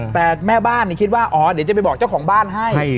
แต่แม่บ้านคิดว่าอ๋อเดี๋ยวจะไปบอกเจ้าของบ้านให้